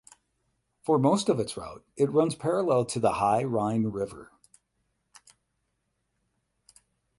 For most of its route it runs parallel to the High Rhine river.